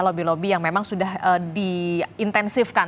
lobby lobby yang memang sudah diintensifkan